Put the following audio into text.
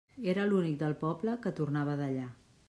Era l'únic del poble que tornava d'allà.